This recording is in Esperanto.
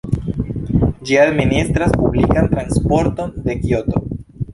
Ĝi administras publikan transporton de Kioto.